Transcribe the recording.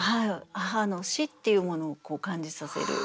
母の死っていうものを感じさせる。